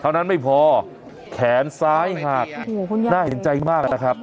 เท่านั้นไม่พอแขนซ้ายหาดโอเห้ยคุณยายน่าเห็นใจมากแล้วนะครับ